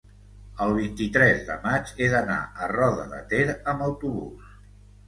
el vint-i-tres de maig he d'anar a Roda de Ter amb autobús.